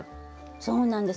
そうなんです。